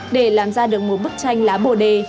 để làm ra được một bức tranh lá bồ đề